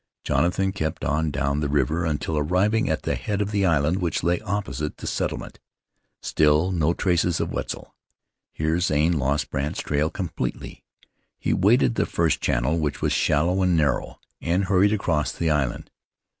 Jonathan kept on down the river until arriving at the head of the island which lay opposite the settlement. Still no traces of Wetzel! Here Zane lost Brandt's trail completely. He waded the first channel, which was shallow and narrow, and hurried across the island.